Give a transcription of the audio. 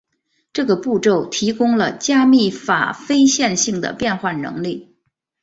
这个步骤提供了加密法非线性的变换能力。